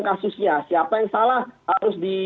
kasusnya siapa yang salah harus di